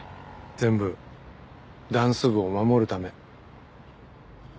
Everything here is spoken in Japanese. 全部ダンス部を守るため。